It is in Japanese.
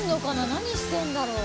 何してるんだろう？